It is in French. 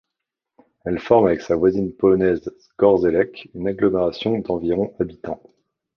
Elle forme, avec sa voisine polonaise Zgorzelec, une agglomération d'environ habitants.